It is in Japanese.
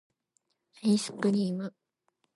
愛♡スクリ～ム!